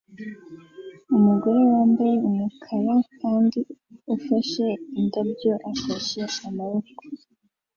Umugore wambaye umukara kandi ufashe indabyo afashe amaboko